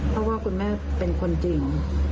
เพราะว่าคุณแม่เป็นคนจริง